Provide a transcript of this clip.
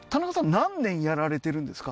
何年やられてるんですか？